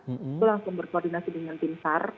itu langsung berkoordinasi dengan pimsar